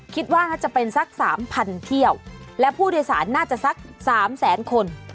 คิดว่าน่าจะเป็นสัก๓๐๐เที่ยวและผู้โดยสารน่าจะสัก๓แสนคน